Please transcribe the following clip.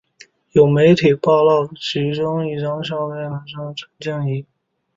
有媒体报道其中一张照片的肖像疑似陈静仪。